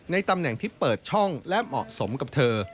ตำแหน่งที่เปิดช่องและเหมาะสมกับเธอ